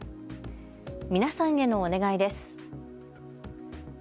皆さんへのお願いです。